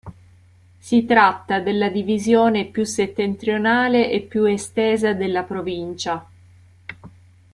Si tratta della divisione più settentrionale e più estesa della provincia.